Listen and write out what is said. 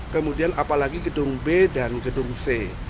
kemudian apalagi gedung b dan gedung c